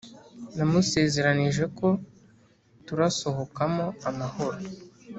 Namusezeranije ko turasohokamo amahoro